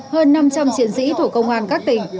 hơn năm trăm linh chiến sĩ thuộc công an các tỉnh